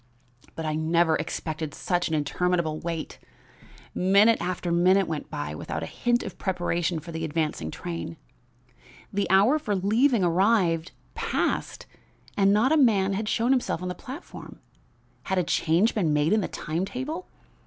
"But I never expected such an interminable wait. Minute after minute went by without a hint of preparation for the advancing train. The hour for leaving arrived, passed, and not a man had shown himself on the platform. Had a change been made in the time table?